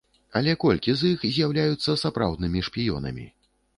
Але колькі з іх з'яўляюцца сапраўднымі шпіёнамі?